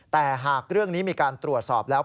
แต่หากเรื่องนี้มีการตรวจสอบแล้ว